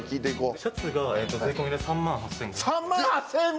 シャツが税込みで３万８５００円。